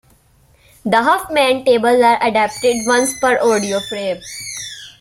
The Huffman tables are adapted once per audio frame.